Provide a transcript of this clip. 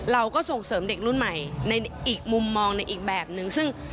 เราก็ส่งเสริมเด็กรุ่นใหม่ในอีกมุมมองในอีกแบบนึงซึ่ง